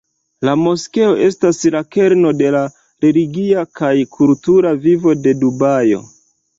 La moskeo estas la kerno de la religia kaj kultura vivo de Dubajo.